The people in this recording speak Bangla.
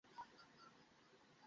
আচ্ছা শোনো, ওরা মরে গেছে।